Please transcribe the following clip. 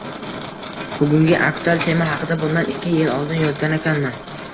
Bugungi aktual tema haqida bundan ikki yil oldin yozganakanman.